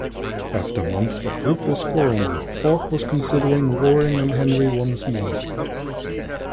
After months of fruitless quarreling Fulk was considering warring on Henry once more.